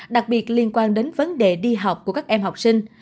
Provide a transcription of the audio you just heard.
đặc biệt liên quan đến vấn đề đi học của các em học sinh